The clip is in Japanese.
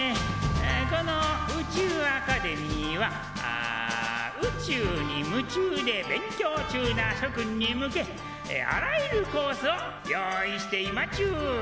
この宇宙アカデミーは宇宙に夢中で勉強中な諸君に向けあらゆるコースを用意していまちゅー。